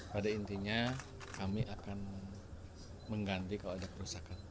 pada intinya kami akan mengganti kalau ada kerusakan